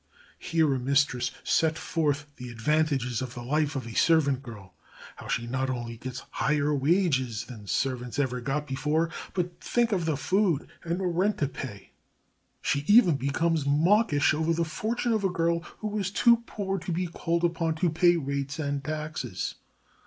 Hear a mistress set forth the advantages of the life of a servant girl how she not only gets higher wages than servants ever got before, but think of the food, and no rent to pay! She even becomes mawkish over the fortune of a girl who is too poor to be called upon to pay rates and taxes.